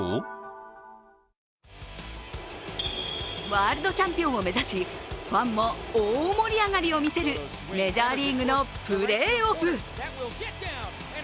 ワールドチャンピオンを目指しファンも大盛り上がりを見せるメジャーリーグのプレーオフ。